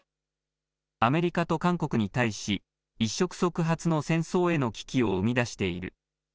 アメリカと韓国に対し、一触即発の戦争への危機を生み出している。